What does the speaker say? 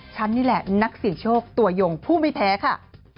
ฉันนี่แหละนักเสี่ยงโชคตัวยงผู้ไม่แพ้ค่ะ